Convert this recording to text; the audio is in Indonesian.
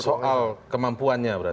soal kemampuannya berarti